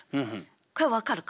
これ分かるか？